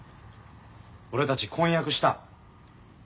俺たち婚約した。